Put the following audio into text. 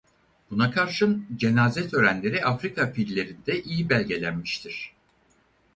Buna karşın cenaze törenleri Afrika fillerinde iyi belgelenmiştir.